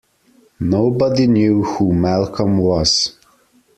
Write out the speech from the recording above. Nobody knew who Malcolm was.